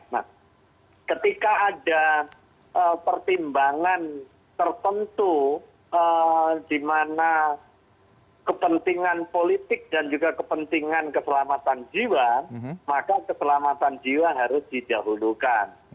nah ketika ada pertimbangan tertentu di mana kepentingan politik dan juga kepentingan keselamatan jiwa maka keselamatan jiwa harus didahulukan